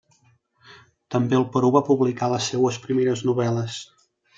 També al Perú va publicar les seues primeres novel·les.